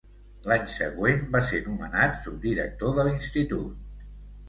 L'any següent, va ser nomenat subdirector de l'Institut.